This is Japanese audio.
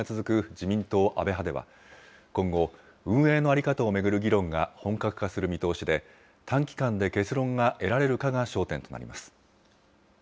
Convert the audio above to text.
自民党安倍派では、今後、運営の在り方を巡る議論が本格化する見通しで、短期間で結論が得られるかが焦点となります。